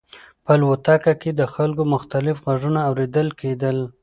په الوتکه کې د خلکو مختلف غږونه اورېدل کېدل.